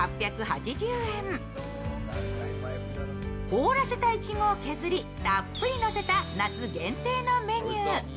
凍らせたいちごを削りたっぷりのせた夏限定のメニュー。